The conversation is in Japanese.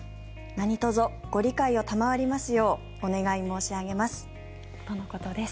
なにとぞご理解を賜りますようお願い申し上げますとのことです。